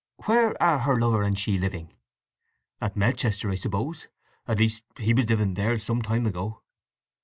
"Where are her lover and she living?" "At Melchester—I suppose; at least he was living there some time ago."